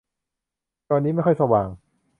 จอนี้ไม่ค่อยสว่าง